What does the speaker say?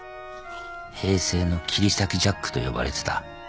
平成の切り裂きジャックと呼ばれてた。